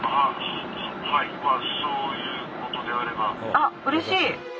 あっうれしい！